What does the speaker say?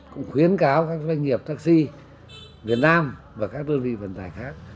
cũng khuyến cáo các doanh nghiệp taxi việt nam và các đơn vị vận tải khác